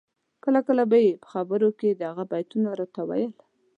کله کله به یې په خبرو کي د هغه بیتونه راته ویل